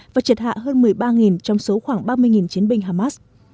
và triệt hạ hơn một mươi ba trong số khoảng ba mươi chiến binh hamas